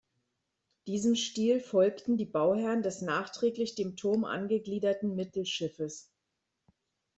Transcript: Diesem Stil folgten die Bauherren des nachträglich dem Turm angegliederten Mittelschiffes.